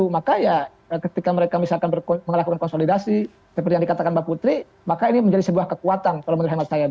maka ya ketika mereka misalkan melakukan konsolidasi seperti yang dikatakan mbak putri maka ini menjadi sebuah kekuatan kalau menurut hemat saya